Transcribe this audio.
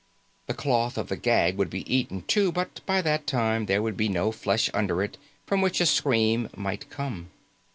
The cloth of the gag would be eaten, too, but by that time, there would be no flesh under it from which a scream might come.